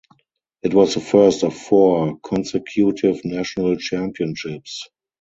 It was the first of four consecutive national championships.